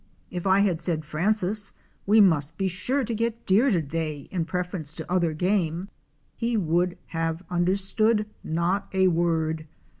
If I had said, 'Francis, we must be sure to get deer to day in prefer ence to other game," he would have understood not a word.